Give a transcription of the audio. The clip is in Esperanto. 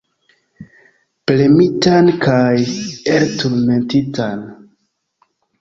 Premitan kaj elturmentitan.